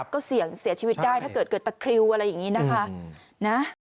ก็เสี่ยงเสียชีวิตได้ถ้าเกิดเกิดตะคริวอะไรอย่างนี้นะคะ